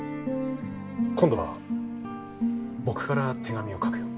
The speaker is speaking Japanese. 今度は僕から手紙を書くよ。